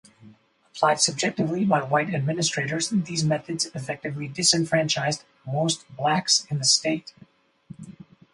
Applied subjectively by white administrators, these methods effectively disenfranchised most blacks in the state.